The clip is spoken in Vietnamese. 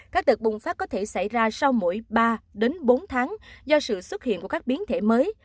các đợt bùng phát có thể xảy ra sau mỗi ba đến bốn tháng do sự xuất hiện của các biến thể mới